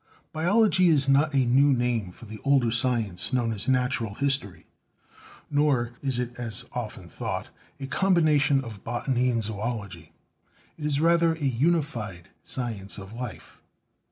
Biology is not a new name for the older science known as Natural History, nor is it, as is often thought, a com bination of botany and zoology, it is rather a unified science of life.